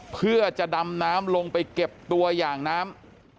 เพื่อจะดำน้ำลงไปเก็บตัวอย่างน้ำ